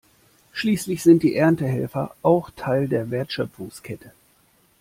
Schließlich sind die Erntehelfer auch Teil der Wertschöpfungskette.